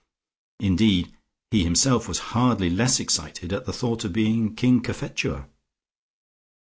Indeed he himself was hardly less excited at the thought of being King Cophetua.